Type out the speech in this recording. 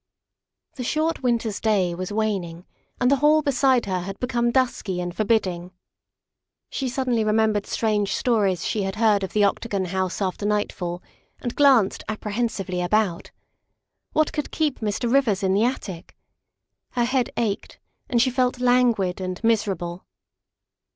The short winter's day was waning and the hall beside her had become dusky and forbidding. She suddenly remembered strange stories she had heard of the Octa gon House after nightfall and glanced apprehensively about. What could keep Mr. Kivers in the attic? Her head ached and she felt languid and miserable.